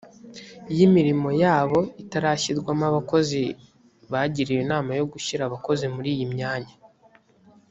y imirimo yabo itarashyirwamo abakozi bagiriwe inama yo gushyira abakozi muri iyi myanya